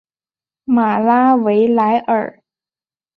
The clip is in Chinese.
马拉维莱尔。